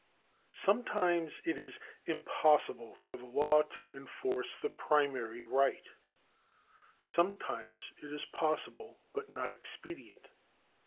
Sometimes it is impossible for the law to enforce the primary right ; sometimes it is possible but not expedient.